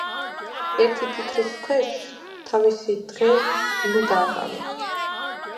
ერთი ფიქრის ქვეშ თავისი დღე ვინ დააღამა.